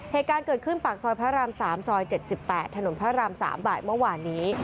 เหตุการณ์เกิดขึ้นปากซอยพระราม๓ซอย๗๘ถนนพระราม๓บ่ายเมื่อวานนี้